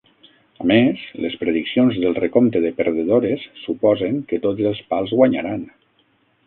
A més, les prediccions del recompte de perdedores suposen que tots els pals guanyaran.